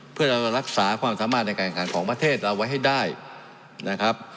เพื่อเราจะรักษาความสามารถในการแข่งขันของประเทศเอาไว้ให้ได้นะครับ